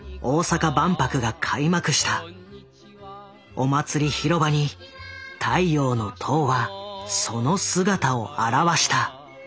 お祭り広場に「太陽の塔」はその姿を現した。